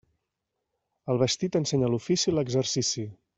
El vestit ensenya l'ofici i l'exercici.